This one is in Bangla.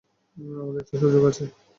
আমাদের একটি সুযোগ আছে।